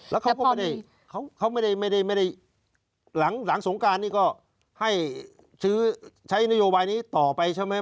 แล้วเขาก็ไม่ได้หลังสงการนี่ก็ให้ใช้นโยบายนี้ต่อไปใช่ไหม